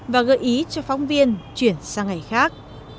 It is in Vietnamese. và gợi ý cho phóng viên chuyển sang ngày khác